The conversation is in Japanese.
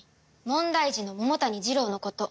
問題児の桃谷ジロウのこと。